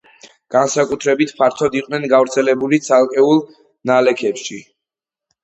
განსაკუთრებით ფართოდ იყვნენ გავრცელებული ცარცულ ნალექებში.